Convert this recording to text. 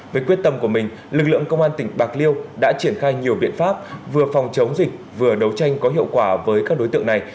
với quyết tâm của mình lực lượng công an tỉnh bạc liêu đã triển khai nhiều biện pháp vừa phòng chống dịch vừa đấu tranh có hiệu quả với các đối tượng này